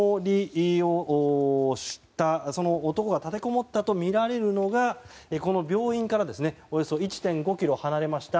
その男が立てこもったとみられるのがこの病院からおよそ１．５ｋｍ離れました